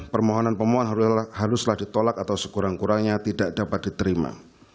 permohonan pemohon haruslah ditolak atau sekurang kurangnya tidak dapat diterima